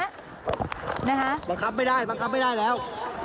บังคับไม่ได้บังคับไม่ได้แล้ว